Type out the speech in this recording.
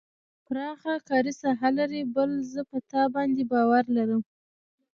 پراخه کاري ساحه لري بل زه په تا باندې باور لرم.